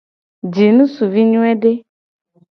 Ji ngusuvi nyoede.